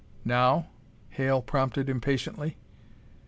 "Now?" Hale prompted impatiently.